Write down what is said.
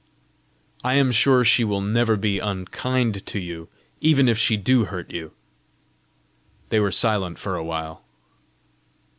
"I am sure she will never be unkind to you, even if she do hurt you!" They were silent for a while.